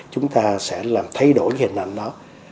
chúng ta sẽ làm thay đổi hình ảnh đó